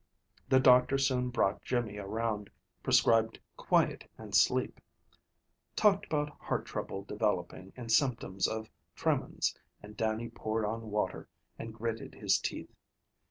The doctor soon brought Jimmy around, prescribed quiet and sleep; talked about heart trouble developing, and symptoms of tremens, and Dannie poured on water, and gritted his teeth.